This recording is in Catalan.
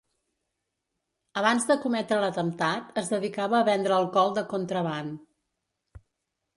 Abans de cometre l'atemptat, es dedicava a vendre alcohol de contraban.